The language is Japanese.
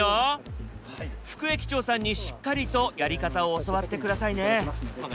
副駅長さんにしっかりとやり方を教わって下さいね。